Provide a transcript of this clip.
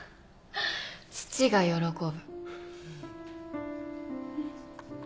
父が喜ぶ。